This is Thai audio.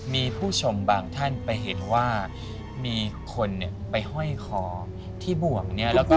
มีผู้ชมบางท่านไปเห็นว่ามีคนไปห้อยคอที่บ่วงเนี่ยแล้วก็